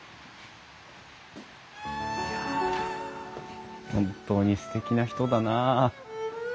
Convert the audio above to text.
いや本当にすてきな人だなあ。